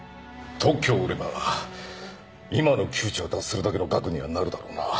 特許を売れば今の窮地を脱するだけの額にはなるだろうな。